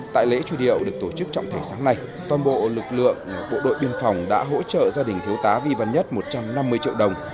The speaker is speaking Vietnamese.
tại lễ truy điệu được tổ chức trọng thể sáng nay toàn bộ lực lượng bộ đội biên phòng đã hỗ trợ gia đình thiếu tá vi văn nhất một trăm năm mươi triệu đồng